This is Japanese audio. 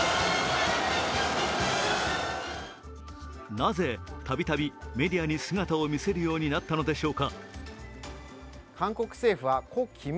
なぜ度々メディアに姿を見せるようになったのでしょうか。